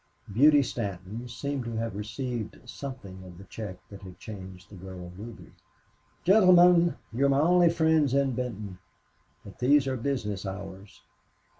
Beauty Stanton seemed to have received something of the check that had changed the girl Ruby. "Gentlemen, you are my only friends in Benton. But these are business hours."